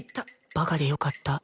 バカでよかった